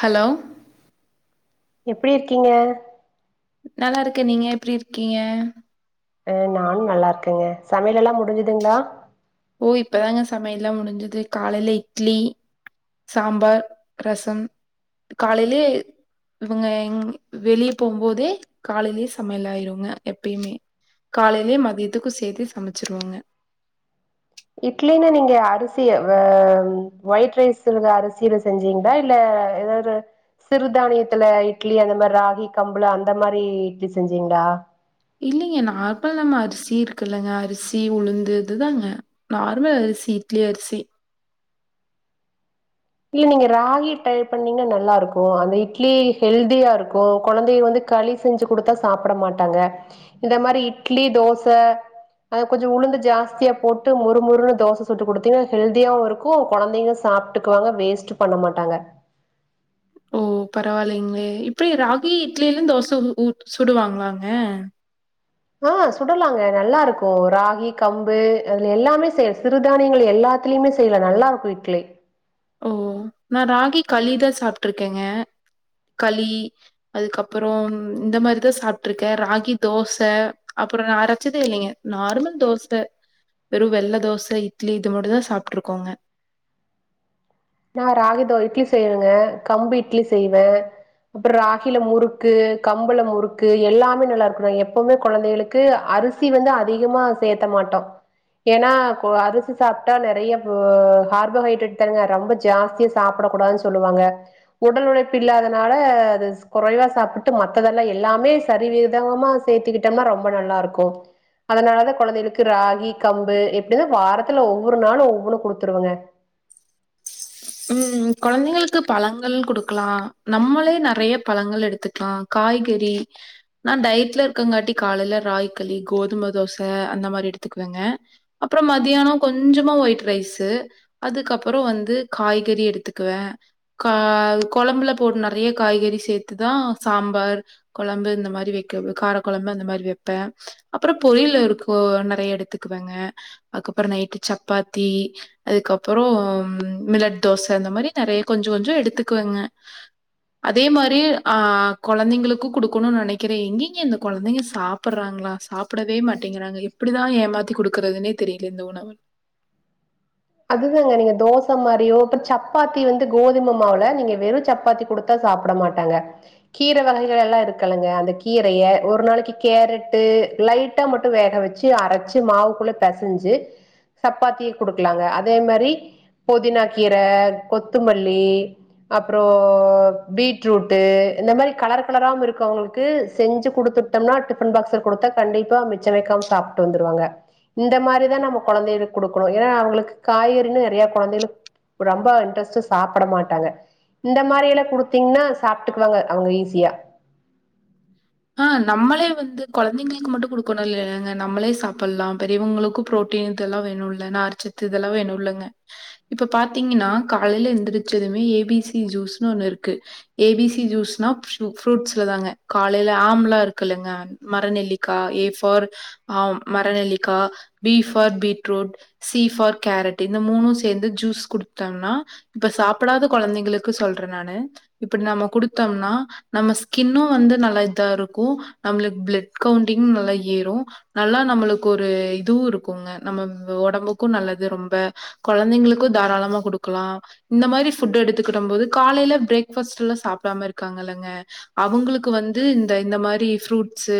hello எப்டி இருக்கீங்க நல்லா இருக்க நீங்க எப்டி இருக்கீங்க நானும் நல்லா இருக்கேங்க சமையல் எல்லாம் முடிஞ்சுதுங்களா ஓ இப்பதாங்க சமையல் எல்லா முடிஞ்சது காலையில இட்லி சாம்பார் ரசம் காலையிலே இவங்க எங் வெளிய போகும் போதே காலையிலே சமையல் ஆயிடுங்க எப்பையுமே காலையிலேயே மதியத்துக்கும் சேத்து சமைச்சிருவாங்க இட்லனு நீங்க அரிசி வே ஒயிட் ரைஸ் அரிசியில செஞ்சீங்க தா இல்ல ஏதாவது சிறுதானியத்துல இட்லி அந்த மாறி ராகி கம்பு அந்த மாறி இட்லி செஞ்சீங்களா இல்லிங்க நார்மல் அரிசி இருக்குல்லங்க அரிசி உளுந்து இதுதாங்க நார்மல் அரிசி இட்லி அரிசி இ நீங்க ராகி ரை பண்ணீங்க நல்லா இருக்கும் அந்த இட்லி ஹெல்தியா இருக்கு குழந்தைய வந்து களி செஞ்சு குடுத்தா சாப்பிட மாட்டாங்க இந்த மாறி இட்லி தோச அது கொஞ்சம் உளுந்து ஜாஸ்தியா போட்டு முறுமுறுன்னு தோச சுட்டு கொடுத்தீங்க ஹெல்தியும் இருக்கும் குழந்தைங்க சாப்பிட்டு குங்க வேஸ்ட் பண்ண மாட்டாங்க ஓ பரவாயில்லைங்களே இப்டி ராகி இட்லிலும் தோச சுடுவாங்களாங்க ஆ சுடலாங்க நல்லா இருக்கும் ராகி கம்பு அதுல எல்லாமே செத் சிறுதானியங்கள் எல்லாமே அதுலேமே செய்வேன் நல்லா இருக்கும் இட்லி ஓ நான் ராகி களிதா சாப்பிட்டுருக்கேங்க களி அதுக்கப்புறம் இந்த மாறிதா சாப்பட்டுருக்கேன் ராகி தோச அப்புறம் ந அரசேதே இல்லங்க நார்மல் தோச வெறும் வெள்ள தோச இட்லி இது மட்டும் தா சாப்பிட்டுருக்கோங்க நா ராகி தோ இட்லி செய்வேங்க கம்பு இட்லி செய்வேன் அப்புறம் ராகில முறுக்கு கம்புல முறுக்கு எல்லாமே நல்லா இருக்கும் எப்வுமே குழந்தைகளுக்கு அரி சி வந்து அதிகமா சேத்த மாட்டோம் ஏன்னா கோ அரிசி சாப்பிட்டா நிறைய பே கார்போஹைட்ரேட் தாங்க ரொம்ப ஜாஸ்தி சாப்பிட கூடாதுன்னு சொல்லுவாங்க உடல் உழைப்பு இல்லாதனால அது குறைவா சாப்பிட்டு மத்ததெல்லாம் எல்லாமே சரிவிதமா சேர்த்துக்கிட் ம்ன்னா ரொம்ப நல்லாருக்கும் அதனால தான் கொழந்தைகளுக்கு ராகி கம்பு எப்டிதான் வாரத்துல ஒவ்வொரு நாளும் ஒவ்வொன்னு கொடுத்துருவங்க ம் கொழந்தைங்களுக்கு பழங்கள் குடுக்கலாம் நம்மளே நெறைய பழங்கள் எடுத்துக்கலாம் காய்கறி நான் டயட்ல இருக்கங்காட்டி காலையில ராகிக்களி கோதும தோச அந்த மாறி எடுத்துக்குவேங்க அப்புறம் மதியானம் கொஞ்சமா ஒயிட் ரைஸு அதுக்கப்புறம் வந்து காய்கறி எடுத்துக்குவேன் கால் கொழம்புல போட்டு நறைய காய்கறி சேத்துதா சாம்பார் கொழம்பு இந்த மாரி வெக்க வு கார கொழம்பு னா இந்த மாரி வெப்ப அப்புறோ பொரியில் இருக்கு நெறைய எடுத்துக்குவங்க அக்கப்புறம் நைட்டு சப்பாத்தி அதுக்கப்புறம் மிலட் தோச இந்த மாரி நெறைய கொஞ்சம் கொஞ்சம் எடுத்துக்குவங்க அதே மாரி ஆ கொழந்தைங்களுக்கு குடுக்கணுன்னு நெனக்கிறேன் எங்கங்க இந்த கொழந்தைங்க சாப் புட்றாங்களா சாப்பிடவே மாட்டேங்கிறாங்க எப்டிதான் ஏமாத்தி குடுக்குறதுனே தெரியிலே இந்த உணவு அதுதாங்க நீங்க தோச மாரியோ இப்ப சப்பாத்தி வந்து கோதும மாவுல நீங்க வெறும் சப்பாத்தி குடுத் தா சாப்புட மாட்டாங்க கீர வகைகள் எல்லா இருக்கலுங்க அந்த கீரய ஒரு நாளைக்கு கேரட்டு லைட் ட்டா மட்டும் வேக வெச்சு அரச்சு மாவுக்குள்ள பெசஞ்சு சப்பாத்திக் குடுக்குலாங்க அத் அதே மாரி பொதினா கீர கொத்துமல்லி அப்றோம் பீட்ரூட்டு இந்த மாரி கலர் கலராவும் இருக்கு அவங்களுக்கு செஞ்சு குடுத்துட் ட்டம்னா டிஃபன் பாக்ஸ குடுத்தா கண்டிப்பா மிச்ச வெக்காம சாப்ட்டு வந்துருவாங்க இந்த மாரிதான் நம்ம கொழந்தைகளுக்கு குடுக்கணும் ஏன்னா அவங்களுக்கு காய்கறின்னு நெறைய கொழந்தைகளுக்கு ரொம்ப இன்ட்ரெஸ்ட்டா சாப்பட மாட்டாங்க இந்த மாரில்லா குடுத்தீங்கன்னா சாப்ட்டுக்குவாங்க அவங்க ஈஸியா ஆ நம்மளே வந்து கொழந்தைங்களுக்கு மட்டும் குடுக்கணும் இல்லையாங்க நம்மளே சாப்புல்லா பெரியவங்களுக்கும் புரோட் ட்டின்த் இதெல்லா வேணுல்ல நார்ச்சத்து இதெல்லா வேணுல்லங்க இப்ப பாத்தீங்கன்னா காலையில எந்திரிச்சதுமே ஏ பி சி ஜூஸ்ன்னு ஒண்ணு இருக்கு ஏ பி சி ஜூஸ்னா ஸ்ரு ஃப்ரூட்ஸ்ல தாங்க கால் லையில ஆம்லா இருக்குல்லங்க மர நெல்லிக்கா ஏ ஃபார் ஆ மர நெலிக்கா B for beetroot C for carrot இந்த மூணும் சேந்து ஜூஸ் குடுத்தன்னா இப்ப சாப்புடாத கொழந்தைங்களுக்கு சொல்றேன் நானு இப்ப நம்ம குடுத்தோம்னா நம்ம ஸ்கின்னும் வந்து நல்லா எல் இதாருக்கும் நம்மளுக்கு பிளட் கவுண்டிங் நல்லா ஏறும் நல்லா நம்மளுக்கு ஒரு இதுவும் இருக்குங்க நம்ம ம் மு ஒடம்புக்கும் நல்லது ரொம்ப கொழந்தைங்களுக்கு தாராளமா குடுக்குலா இந்த மாரி ஃபுட் எடுத்துக்குட்டம் போது காலையில பிரேக் ஃபாஸ்ட்ல்லாம் சாப்டாம இருக்காங்க இல்லங்க அவுங்குளுக்கு வந்து இந்த இந்த மாரி ஃப்ரூட்ஸு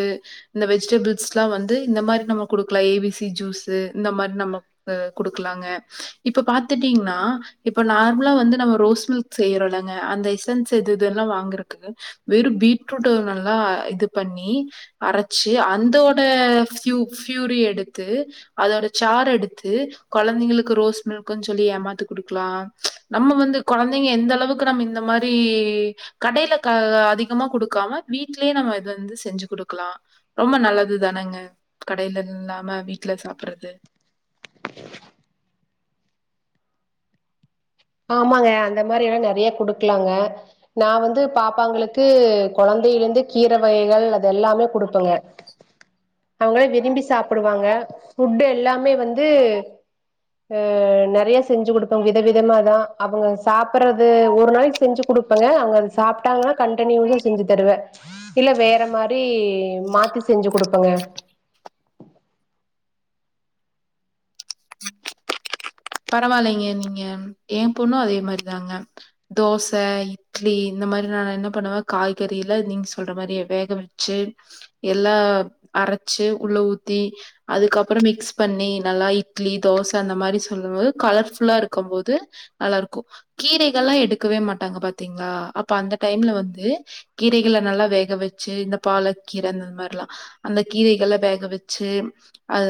இந்த வெஜிடேபிள்ஸ்ல்லா வந்து இந்த மாரி நம்ம குடுக்குலா ஏ பி சி ஜூஸு இந்த மாரி நம்ம அ குடுக்குலாங்க இப்ப பாத்துட்டீங்ன்னா இப்ப நார்மலா வந்து நம்ம ரோஸ் மில்க் செய்றோலங்க அந்த எசன்ஸ் இது இதுல்லா வாங்கறக்கு வெறும் பீட்ரூட்டு நல்லா இது பண்ணி அரச்சு அந்தோட ஃப்யூ ஃப்யூரி எடுத்து அதோட சார எடுத்து கொழந்தைங்களுக்கு ரோஸ் மில்க்ன்னு சொல்லி ஏமாத்து குடுக்குலா நம்ம வந்து கொழந்தைங்க எந்த அளவுக்கு நம்ம இந்த மாரி கடையில க அ அதிகமா குடுக் காம வீட்லயே நம்ம இத வந்து செஞ்சு குடுக்குலா ரொம்ப நல்லது தானங்க கடையில இல்லாம வீட்ல சாப்புட்றது ஆமாங்க அந்த மாரி எல்லா நெறைய குடுக்குலாங்க நான் வந்து பாப்பாங்களுக்கு கொழந்தையில இருந்து கீர வகைகள் அது எல்லாமே குடுப்பங்க அவங்களே விரும்பி சாப்புடுவாங்க ஃபுட்டு் எல்லாமே வந்து அ நெறைய செஞ்சு குடுப்பங் விதவிதமா இரு தா அவங்க சாப்புட்றது ஒரு நாளைக்கு செஞ்சு குடுப்பங்க அவங்க அது சாப்ட்டாங்கன்னா கண்டினியூஸா செஞ்சு தருவே இல்ல வேற மாரி மாத்தி செஞ்சு குடுப்பங்க உம் பரவால்லெங்கெ நீங்கெ ஏ போண்ணு அதே மாரிதாங்க தோச இட்லி இந்த மாரி நா என்ன பண்ணுவே காய்கறில நீங்க சொல்ற மாரி வேக வச்சு எல்லா அரச்சு உள்ள ஊத்தி அதுக்கப்பறொ மிக்ஸ் பண்ணி நல்லா இட்லி தோச அந்த மாரி சொல்லும்போது கலர்ஃபுல்லா இருக்கம் போது நல்லாருக்கு கீரைகள்லா எடுக்கவே மாட்டாங்க பாத்திங்ளா அப்ப அந்த டைம்ல வந்து கீரைகள நல்லா வேக வச்சு இந்த பாலக்கீர அந் அந்த மாரிலா அந்த கீரைகள வேக வெச்சு அத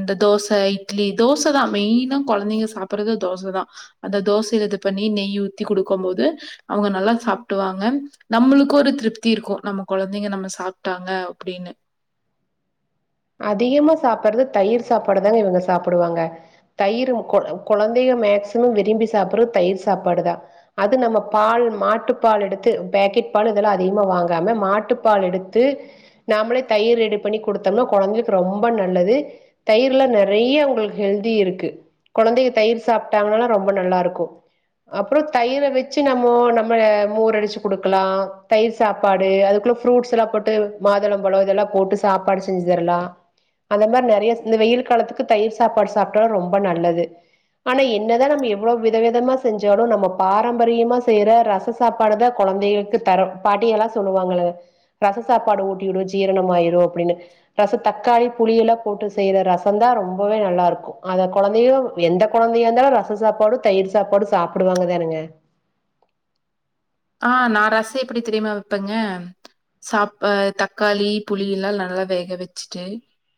இந்த தோச இட்லி தோச தா மெயினா கொழந்தெங்க சாப்புட்றது அது தோச தா அந்த தோசைல இது பண்ணி நெய் ஊத்தி குடுக்கம் போது அவுங்க நல்லா சாப்ட்டுவாங்க நம்மளுக்கு ஒரு திருப்தி இருக்கு நம்ம கொழந்தெங்க நம்ம சாப்ட்டாங்க அப்டின்னு அதிகமா சாப்பட்றது தயிர் சாப்பாடுதானே இவுங்க சாப்புடுவாங்க தயிரும் கொ கொழந்தெக மேக்சிமம் விரும்பி சாப்புட்றத் தயிர் சாப்பாடு தா அது நம்ம பால் மாட்டு பால் எடுத்து பேக்கெட் பால் இதெலா அதிகமா வாங்காம மாட்டு பால் எடுத்து நாமளே தயிர் ரெடி பண்ணி குடுத்தொம்ன கொழந்தைக்கு ரொம்ப நல்லது தயர்ல நெறைய உங்களுக்கு ஹெல்தி இருக்கு கொழந்தைக தயிர் சாப்ட்டாங்கனாலா ரொம்ப நல்லா இருக்கு அப்பறொ தயிர வச்சு நம்மோ நம்மள மோர் அடுச்சு குடுக்கலா தயிர் சாப்பாடு அதுக்குள்ள ஃப்ரூட்ஸ் எல்லா போட்டு மாதுளம்பழொ இதெல்லா போட்டு சாப்பாடு செஞ்சு தரலா அந்த மாரி நெறைய இந்த வெயில் காலத்துக்கு தயிர் சாப்பாடு சாப்ட்டோனா ரொம்ப நல்லது ஆனா என்னதா நம்ம எவ்வளோ வித விதமா செஞ்சாலு நம்ம பாரம்பரியமா செய்ற ரச சாப்பாடுதா கொழந்தைகளுக்கு தரோ பாட்டி எல்லா சொல்லுவாங்கள ரச சாப்பாடு ஊட்டிவிடு ஜீரணம் ஆயிரு அப்டின்னு ரச தக்காளி புளியெல்லா போட்டு செய்யுற ரசந்தா ரொம்பவே நல்லா இருக்கு அத கொழந்தையிளு எந்த கொழந்தையா இருந்தாலு ரச சாப்பாடு தயிர் சாப்பாடு சாப்புடுவாங்கதானுங்க ஆ நா ரச எப்டி தெரியுமா வப்பெங்க சாப் அ தக்காளி புளி எல்லா நல்லா வேக வெச்சுட்டு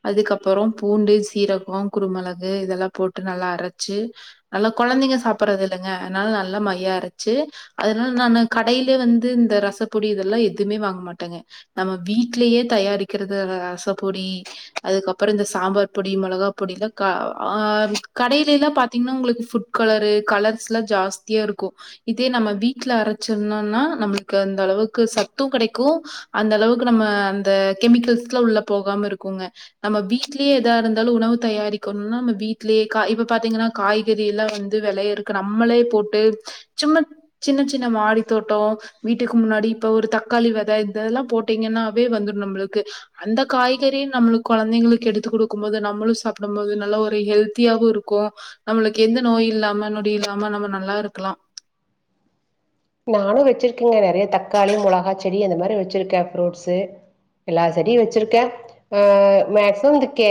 அதுக்கப்பறொ பூண்டு சீரகொ குருமெளகு இதெல்லா போட்டு நல்லா அரச்சு அல்லா கொழந்தெங்க சாப்புட்றது இல்லெங்க அத்னால நல்லா மையா ஆரச்சு [unintelligible] கடைல வந்து இந்த ரசப்பொடி இதெல்லா எதுவுமே வாங்க மாட்டெங்க நம்ம வீட்லயே தயாரிக்கிறது ரசப்பொடி அதுக்கப்பறொ இந்த சாம்பார் பொடி மெளகா பொடில்லா ஆ கடைலெல்லா பாத்திங்கன்னா உங்களுக் ஃபுட் கலரு கலர்ஸ்ல்லா ஜாஸ்தியா இருக்கு இதே நம்ம வீட்ல அரச் சொன்னன்னா நம்ளுக்கு அந்த அளவுக்கு சத்து கெடைக்கு அந்த அளவுக்கு நம்ம அந்த கெமிக்கல்ஸ்லா உள்ள போகாம இருக்குங்க நம்ம வீட்லயே ஏதா இருந்தாலு உணவு தயாரிக்கணும்னா நம்ம வீட்லயே கா இப்ப பாத்திங்கன்னா காய்கறி எல்லா வந்து வெளையறுக்க நம்மளே போட்டு சும்மா சின்ன சின் இந்த மாடித்தோட்டோ வீட்டுக்கு முன்னாடி இப்ப ஒரு தக்காளி வெத இதெல்லா போட்டீங்கன்னாவே வந்துடு நம்ப்ளுக்கு அந்த காய்கறி நம்ளுக் கொழந்தைங்களுக் எடுத்து குடுக்கும் போது நம்மளு சாப்டம் போது நல்லா ஒரு ஹெல்த்தியாவு இருக்கு நம்மளுக்கு எந்த நோய் இல்லாம நொடி இல்லாம நம்ம நல்லா இருக்கலா நானு வெச்சிருக்கேங்க நெறைய தக்காளி மொளகாச் செடி இந்த மாரி வச்சிருக்கே ஃப்ரூட்ஸு எல்லா செடியு வெச்சுருக்கே ஆ மேக்சிமம் இந்த கே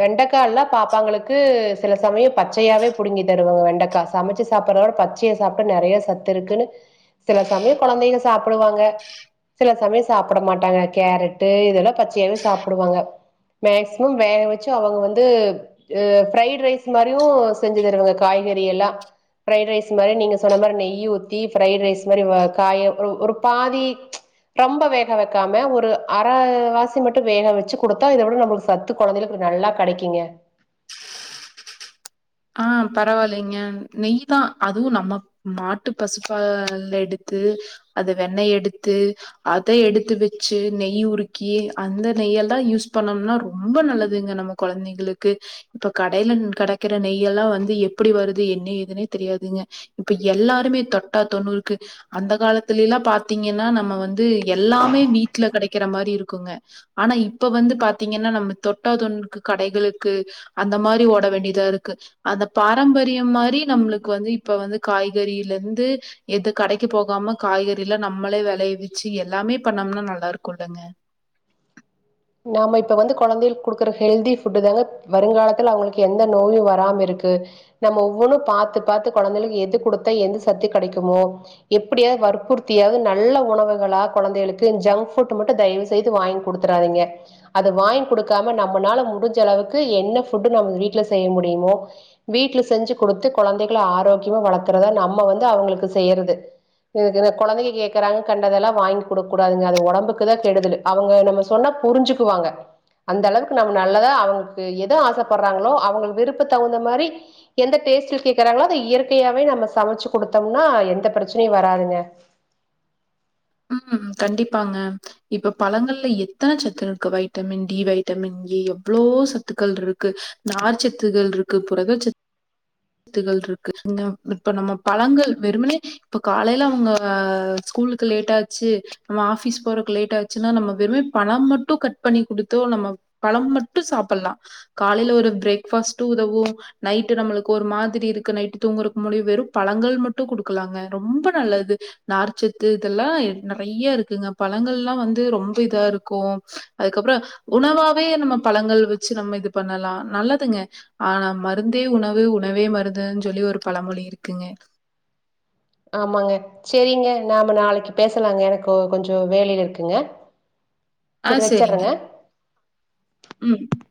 வெண்டக்கா எல்லா பாப்பாங்களுக்கு சில சமயம் பச்சையாவே புடுங்கி தருவங்க வெண்டக்கா சமைச்சு சாப்புட்றத விட ப சையா சாப்ட்டா நெறைய சத்து இருக்குன்னு சில சமயம் கொழந்தைங்க சாப்டுவாங்க சில சமயம் சாப்பிட மாட்டாங்க கேரட்டு இதெல்லா பச்சையாவே சாப்புடுவாங்க மேக்சிமம் வேக வச்சு அவங்க வந்து இ ஃப்ரைடு ரைஸ் மாரியு செஞ்சு தருவங்க காய்கறி எல்லா ஃப்ரைடு ரைஸ் மாரி நீங்க சொன்ன மாரி நெய் ஊத்தி ஃப்ரைடு ரைஸ் மாரி வ காய ஒரு ஒரு பாதி ரொம்ப வேக வைக்காம ஒரு அரைவாசி மட்டு வேக வச்சு குடுத்தா இத விட நம்மளுக்கு சத் து கொழந்தைகளுக்கு நல்லா கெடைக்குங்க ஆ பரவாயில்லைங்க நெய் தா அதுவு நம்ம மாட்டு பசுப்பாலெடுத்து அத வெண்ணெய் எடுத்து அத எடுத்து வச்சு நெய் உருக்கி அந்த நெய்யெல்லா யூஸ் பண்ணனும்னா ரொம்ப நல்லதுங்க நம்ம கொழந்தைகளுக்கு இப்ப கடையில னு கெடைக்க அந்த நெய் எல்லா வந்து எப்படி வருது என்ன ஏதுன்னே தெரியாதுங்க இப்ப எல்லாருமே தொட்டா தொண்ணூறுக்கு அந்த காலத்துல எல்லா பாத்தீங்கன்னா நம்ம வந்து எல்லாமே வீட்ல கெடைக்கிற மாரி இருக்குங்க ஆனா இப்ப வந்து பாத்தீங்கன்னா நம்ம தொட்டா தொண்ணூறுக்கு கடைகளுக்கு அந்த மாரி ஓட வேண்டியதா இருக் கு அந்த பாரம்பரியம் மாரி நம்மளுக்கு வந்து இப்ப வந்து காய்கறில இருந்து எது கடைக்கு போகாம காய்கறிலா நம்மளே வெளைவிச்சு எல்லாமே பண்ணோம்னா நல்லா இருக்குல்லங்க நாம இப்ப வந்து கொழந்தைகளுக்கு குடுக்குற ஹெல்தி ஃபுட்டுதாங்க வருங்காலத்துல அவங்களுக்கு எந்த நோயு வராம இருக்கு நம்ம ஒவ்வொன்னு பாத்து பாத்து கொழந்தைகளுக்கு எது குடுத்தா எந்த சத்து கெடைக்குமோ எப்படியாவது வற்புறுத்தியாவது நல்ல உணவுகள கொழந்தைகளுக்கு ஜங்க் புட் மட்டு தயவு செய்து வாங்கி குடுத்துறாதிங்க அத வாங்கி குடுக்காம நம்மனால முடிஞ்ச அளவுக்கு என்ன ஃபுட்டு நம்ம வீட்ல செய்ய முடியுமோ வீட்ல செஞ்சு குடுத்து கொழந்தைகள ஆரோக்கியமா வளக்கறதா நம்ம வந்து அவங்களுக்கு செய்யறது இதுக்குனு கொழந்தைங்க கேட்கறாங்க கண்டதெல்லா வாங்கி குடுக்க கூடாதுங்க அது ஒடம்புக்கு தா கெடுதலு அவங்க நம்ம சொன்னா புரிஞ்சுக்குவாங்க அந்த அளவுக்கு நம்ம நல்லதா அவங்களுக்கு எத ஆசைப்பட்றாங்களோ அவங்க விருப்ப தகுந்த மாரி எந்த டேஸ்ட்டுல கேக்குறாங்களோ அத இயற்கையாவே நம்ம சமைச்சு குடுத்தோம்னா எந்த பிரச்சனையு வராதுங்க ம் கண்டிப்பாங்க இப்ப பழங்கள்ல எத்தனை சத்து இருக்கு வைட்டமின் டி வைட்டமின் ஏ எவ்வளோ சத்துக்கள் இருக்கு நார்ச்சத்துகள் இருக்கு புரத சத் துகள் இருக்கு இன்னு இப்ப நம்ம பழங்கள் வெறும்மனே இப்ப காலையில அவங்க ஸ்கூலுக் கு லேட் ஆச்சு நம்ம ஆஃபிஸ் போறக்கு லேட் ஆச்சுன்னா நம்ம வெறும்மே பழம் மட்டும் கட் பண்ணி குடுத்தோ நம்ம பழம் மட்டு சாப்பிட்லா காலையில ஒரு பிரேக் ஃபாஸ்ட்டு உதவு நைட்டு நம்மளுக்கு ஒரு மாதிரி இருக்கு நைட்டு தூங்குறக்கு முன்னாடி வெறும் பழங்கள் மட்டு குடுக்கலாங்க ரொம்ப நல்லது நார்ச்சத் து இதெல்லா நெறைய இருக்குங்க பழங்கள்லா வந்து ரொம்ப இதா இருக்கு அதுக்கப்பறோ உணவாவே நம்ம பழங்கள் வச்சு நம்ம இது பண்ணலா நல்லதுங்க ஆனா மருந்தே உணவு உணவே மருந்துன்னு சொல்லி ஒரு பழமொழி இருக்குங்க ஆமாங்க செரிங்க நாம நாளைக்கு பேசலாங்க எனக்கு கொஞ்சொ வேலைல இருக்குங்க ஆ சரி செரிங்க வச்சறங்க ம்